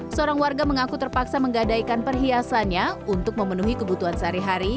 seorang warga mengaku terpaksa menggadaikan perhiasannya untuk memenuhi kebutuhan sehari hari